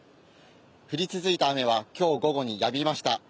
降り続いた雨は今日午後にやみました。